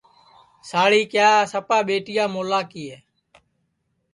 ساڑی کِیا سپا ٻیٹِیا مولا کی ہے